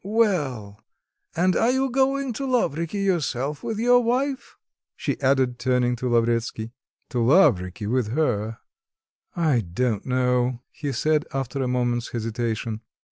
"Well, and are you going to Lavriky yourself with your wife?" she added, turning to Lavretsky. "To Lavriky with her? I don't know," he said, after a moment's hesitation.